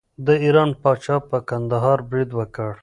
د ایران پاچا پر کندهار برید وکړ.